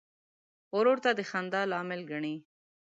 ورور ته د خندا لامل ګڼې.